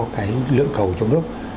cái lượng cầu trong nước